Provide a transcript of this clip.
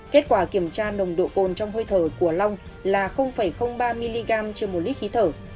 cơ quan chức năng là ba mg trên một lít khí thở